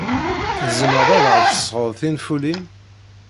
Tzemred ad aɣ-d-tesɣed tinfulin?